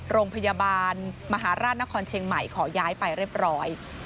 โรงพยาบาลมหาราชนครเชียงใหม่ขอย้ายไปเรียบร้อย